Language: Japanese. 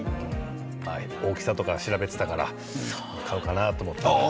大きさとか調べてていたから買うかなと思って。